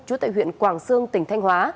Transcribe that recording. chú tại huyện quảng sương tỉnh thanh hóa